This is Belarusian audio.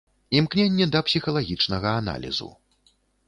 Імкненне да псіхалагічнага аналізу.